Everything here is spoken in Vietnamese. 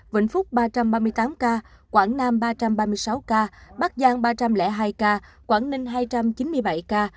vĩnh phúc ba trăm ba mươi tám ca quảng nam ba trăm ba mươi sáu ca bắc giang ba trăm linh hai ca quảng ninh hai trăm chín mươi bảy ca